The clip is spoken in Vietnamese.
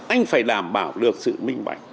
anh phải đảm bảo được sự minh bạch